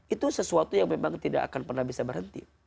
itu sesuatu yang memang tidak akan pernah bisa berhenti